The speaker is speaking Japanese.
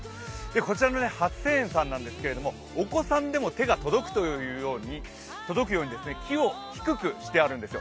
こちらの初清園なんですけど、お子さんでも手が届くように木を低くしてあるんですよ。